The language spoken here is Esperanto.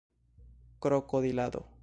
krokodilado